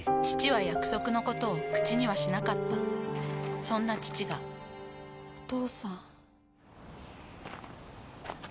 父は約束のことを口にはしなかったそんな父がお父さん。